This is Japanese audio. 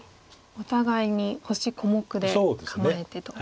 お互いに星小目で構えてと。